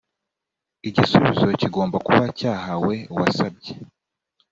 igisubizo kigomba kuba cyahawe uwasabye